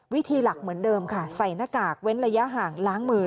วิธีหลักเหมือนเดิมค่ะใส่หน้ากากเว้นระยะห่างล้างมือ